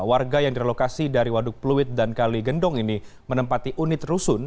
warga yang direlokasi dari waduk pluit dan kali gendong ini menempati unit rusun